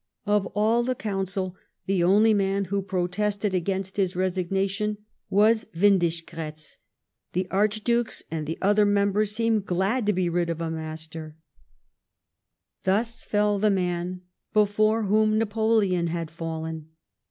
Of all the Council, the only man who ])rotested against his resignation was AVIndischgratz. The Archdukes and the other members seemed glad to be rid of a master. Thus fell the man before whom Napoleon had fallen.